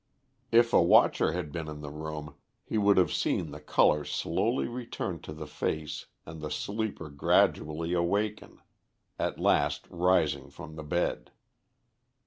If a watcher had been in the room, he would have seen the colour slowly return to the face and the sleeper gradually awaken, at last rising from the bed.